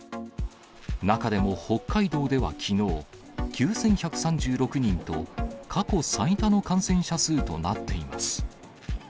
中でも北海道ではきのう、９１３６人と過去最多の感染者数となっています。